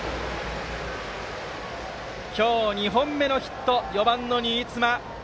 今日、２本目のヒット４番の新妻。